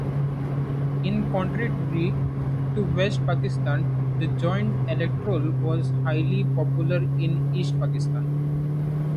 In contrast to West Pakistan, the joint electorate was highly popular in East Pakistan.